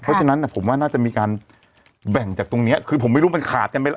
เพราะฉะนั้นผมว่าน่าจะมีการแบ่งจากตรงเนี้ยคือผมไม่รู้มันขาดกันไหมล่ะ